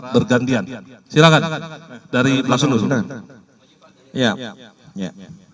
bergantian silakan dari langsung langsung ya ya ya ya ya